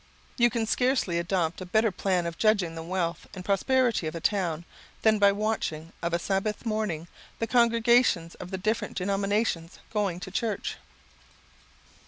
You can scarcely adopt a better plan of judging of the wealth and prosperity of a town, than by watching, of a Sabbath morning, the congregations of the different denominations going to church.